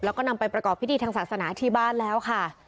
แล้วก็นำไปประกอบพิธีทางศาสนาที่บ้านแล้วค่ะ